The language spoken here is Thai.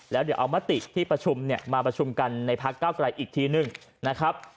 แล้วเดี๋ยวเอามติที่ประชุมเนี่ยมาประชุมกันในพักเก้าไกลอีกทีหนึ่งนะครับ